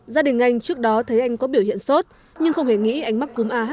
gia đình anh trước đó thấy anh có biểu hiện sốt nhưng không hề nghĩ anh mắc cúm ah một n một